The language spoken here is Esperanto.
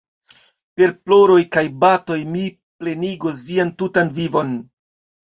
Per ploroj kaj batoj mi plenigos vian tutan vivon!